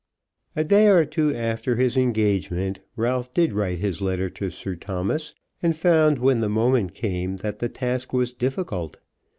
A day or two after his engagement, Ralph did write his letter to Sir Thomas, and found when the moment came that the task was difficult.